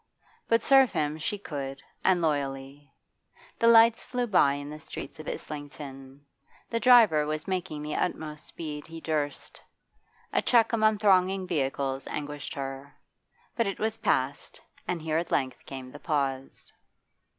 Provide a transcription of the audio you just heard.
But serve him she could and loyally. The lights flew by in the streets of Islington; the driver was making the utmost speed he durst. A check among thronging vehicles anguished her. But it was past, and here at length came the pause.